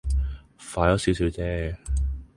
快咗少少啫